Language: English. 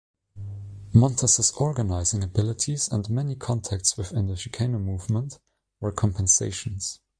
Montez' organizing abilities and many contacts within the Chicano Movement were compensations.